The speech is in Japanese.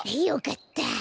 よかった。